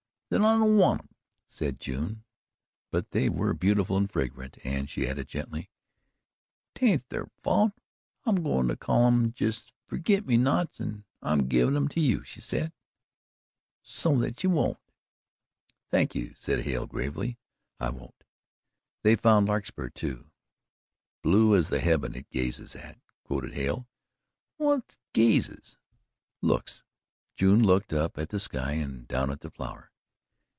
"Then I don't want 'em," said June. But they were beautiful and fragrant and she added gently: "'Tain't their fault. I'm agoin' to call 'em jus' forget me nots, an' I'm givin' 'em to you," she said "so that you won't." "Thank you," said Hale gravely. "I won't." They found larkspur, too "'Blue as the heaven it gazes at,'" quoted Hale. "Whut's 'gazes'?" "Looks." June looked up at the sky and down at the flower.